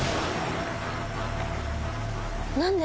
何で？